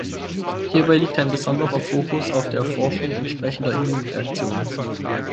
Hierbei liegt ein besonderer Fokus auf der Erforschung entsprechender Immunreaktionen.